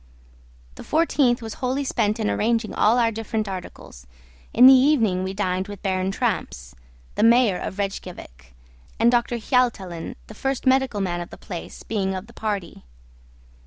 The 14th was wholly spent in arranging all our different articles. In the evening we dined with Baron Tramps; the mayor of Rejkiavik, and Dr. Hyaltalin, the first medical man of the place, being of the party.